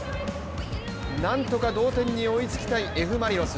なんとか同点に追いつきたいＦ・マリノス。